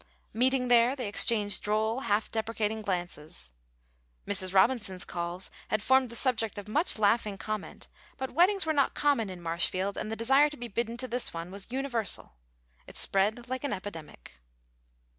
Meeting there, they exchanged droll, half deprecating glances. Mrs. Robinson's calls had formed the subject of much laughing comment; but weddings were not common in Marshfield, and the desire to be bidden to this one was universal; it spread like an epidemic.